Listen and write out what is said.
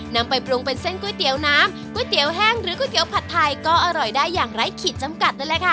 นำไปปรุงเป็นเส้นก๋วยเตี๋ยวน้ำก๋วยเตี๋ยวแห้งหรือก๋วยเตี๋ยวผัดไทยก็อร่อยได้อย่างไร้ขีดจำกัดนั่นแหละค่ะ